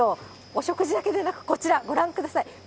お食事だけでなく、こちら、ご覧ください。